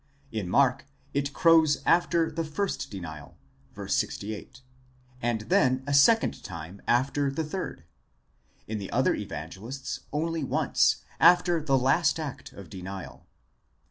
In Mark, it crows after the first denial (v. 68), and then a second time after the third ; in the other Evangelists only once, after the last act of denial.